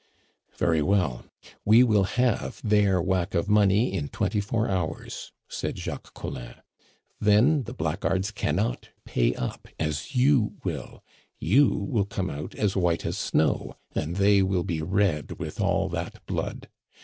"Very well; we will have their whack of money in twenty four hours," said Jacques Collin. "Then the blackguards cannot pay up, as you will; you will come out as white as snow, and they will be red with all that blood!